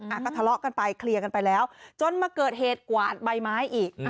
อ่ะก็ทะเลาะกันไปเคลียร์กันไปแล้วจนมาเกิดเหตุกวาดใบไม้อีก